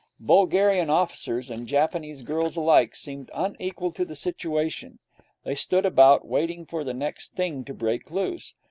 Bulgarian officers and Japanese girls alike seemed unequal to the situation. They stood about, waiting for the next thing to break loose.